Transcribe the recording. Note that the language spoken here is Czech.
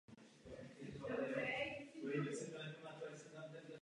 Víme, jaké máme problémy.